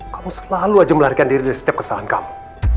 kamu selalu aja melarikan diri dari setiap kesalahan kamu